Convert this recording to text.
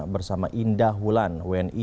bersama indah hulan wni